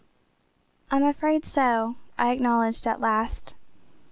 "I'm afraid so," I acknowledged at last.